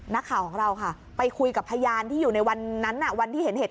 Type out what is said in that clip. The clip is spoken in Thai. นักข่าวของเราค่ะไปคุยกับพยานที่อยู่ในวันนั้น